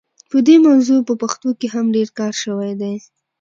په دې موضوع په پښتو کې هم ډېر کار شوی دی.